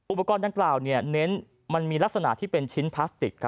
อุปกรณ์ดังกล่าวเน้นมันมีลักษณะที่เป็นชิ้นพลาสติก